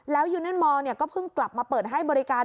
แล้วยูเนนมอร์ก็เพิ่งกลับมาเปิดให้บริการ